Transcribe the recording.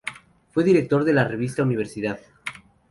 Fue director de la revista "Universidad".